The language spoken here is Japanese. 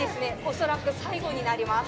恐らく最後になります